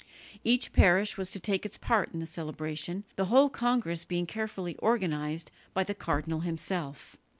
Each parish was to take its part in the celebration, the whole congress being carefully organized by the cardinal himself.